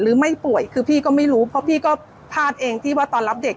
หรือไม่ป่วยคือพี่ก็ไม่รู้เพราะพี่ก็พลาดเองที่ว่าตอนรับเด็ก